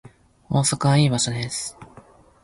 大阪はいい場所です